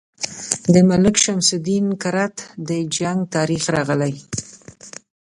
د ملک شمس الدین کرت د جنګ تاریخ راغلی.